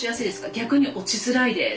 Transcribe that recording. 逆に落ちづらいです。